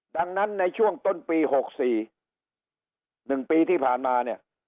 ดังนั้นในช่วงต้นปี๖๔๑ปีที่ผ่านมาเนี่ย